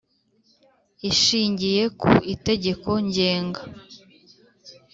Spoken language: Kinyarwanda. Ishingiye ku itegeko ngenga